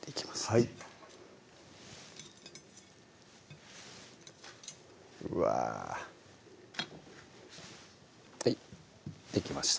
はいうわはいできました